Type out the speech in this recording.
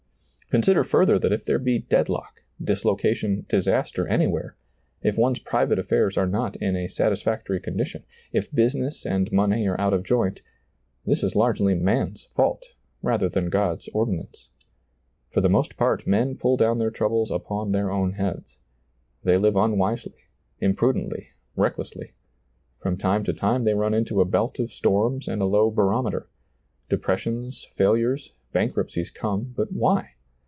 Consider further that if there be deadlock, dis location, disaster anywhere, if one's private afTairs are not in a satisfactory condition, if business and money are out of joint, this is largely man's fault rather than God's ordinance. For the most part men pull down their troubles upon their own heads. They live unwisely, imprudently, reck lessly. From time to time they run into a belt of storms and a low barometer ; depressions, fail ures, bankruptcies come ; but why